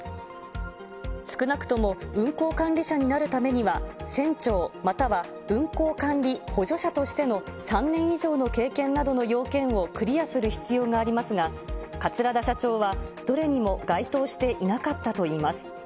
少なくとも運航管理者になるためには、船長または運航管理補助者としての３年以上の経験などの要件をクリアする必要がありますが、桂田社長はどれにも該当していなかったといいます。